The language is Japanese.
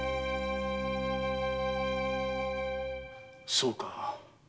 そうか。